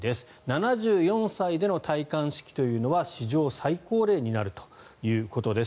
７４歳での戴冠式というのは史上最高齢になるということです。